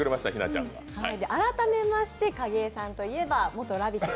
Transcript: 改めまして景井さんといえば元「ラヴィット！」